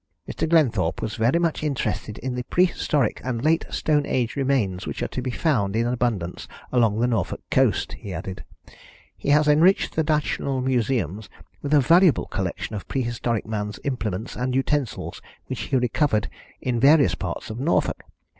"Mr. Glenthorpe was very much interested in the prehistoric and late Stone Age remains which are to be found in abundance along the Norfolk coast," he added. "He has enriched the national museums with a valuable collection of prehistoric man's implements and utensils, which he recovered in various parts of Norfolk.